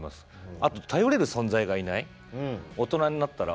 あと、頼れる存在がいない大人になったら。